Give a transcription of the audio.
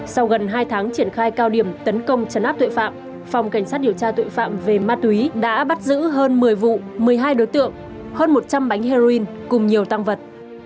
sau gần hai tháng triển khai cao điểm tấn công chấn áp tội phạm phòng cảnh sát điều tra tội phạm về ma túy đã bắt giữ hơn một mươi vụ một mươi hai đối tượng hơn một trăm linh bánh heroin cùng nhiều tăng vật